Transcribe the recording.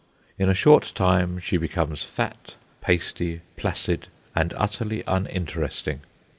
In a short time she becomes fat, pasty, placid, and utterly uninteresting.